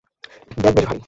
Bag বেশ ভারী।